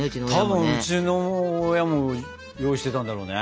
多分うちの親も用意してたんだろうね。